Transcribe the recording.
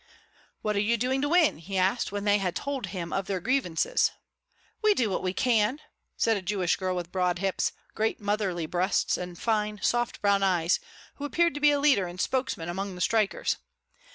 "What are you doing to win?" he asked when they had told him of their grievances. "We do what we can!" said a Jewish girl with broad hips, great motherly breasts, and fine, soft, brown eyes, who appeared to be a leader and spokesman among the strikers.